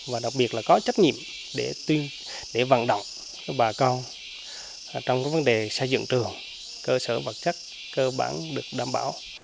và đặc biệt là có trách nhiệm để vận động bà con trong cái vấn đề xây dựng trường cơ sở vật chất cơ bản được đảm bảo